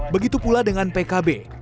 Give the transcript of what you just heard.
begitu pula dengan pkb